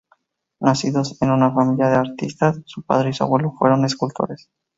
Nacido en una familia de artistas, su padre y su abuelo fueron escultores.